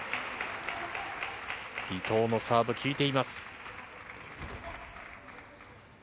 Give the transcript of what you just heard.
伊藤のサーブ、効いています。